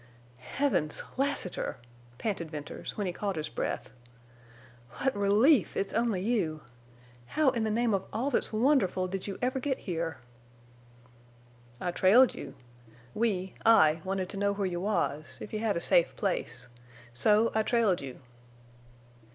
"Heavens! Lassiter!" panted Venters, when he caught his breath. "What relief—it's only you! How—in the name of all that's wonderful—did you ever get here?" "I trailed you. We—I wanted to know where you was, if you had a safe place. So I trailed you."